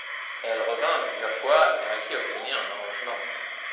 Elle revint plusieurs fois et réussit à obtenir un arrangement.